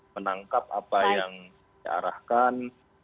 menangkap apa yang diarahkan